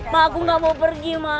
pak aku gak mau pergi ma